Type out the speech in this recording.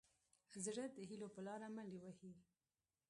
زړه د هيلو په لاره منډې وهي.